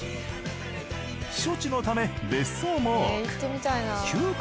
避暑地のため別荘も多く旧軽